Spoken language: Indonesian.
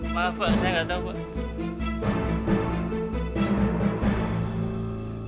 maaf pak saya nggak tahu pak